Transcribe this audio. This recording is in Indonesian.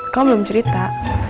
kamu belum cerita